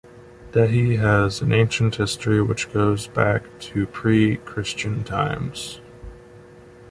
Dehi has an ancient history which goes back to pre-Christian times.